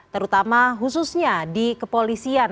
terutama khususnya di kepolisian